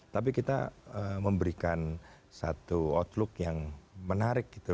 tapi kita memberikan satu outlook yang menarik gitu